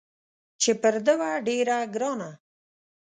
چې پر ده وه ډېره ګرانه